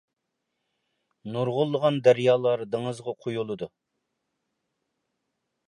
نۇرغۇنلىغان دەريالار دېڭىزغا قۇيۇلىدۇ.